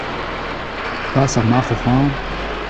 Plas ar marcʼhoù-houarn ?